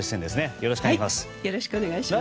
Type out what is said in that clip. よろしくお願いします。